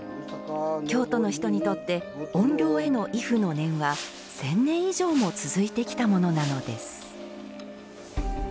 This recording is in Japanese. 京都の人にとって怨霊への畏怖の念は、千年以上も続いてきたものなのです。